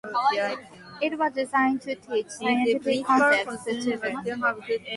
It was designed to teach scientific concepts to children.